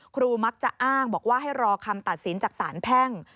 มักจะอ้างบอกว่าให้รอคำตัดสินจากสารแพ่ง